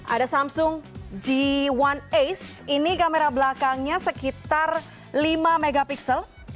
ada samsung g satu aes ini kamera belakangnya sekitar lima mp